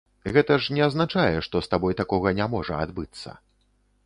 Гэта ж не азначае, што з табой такога не можа адбыцца.